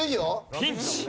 ピンチ！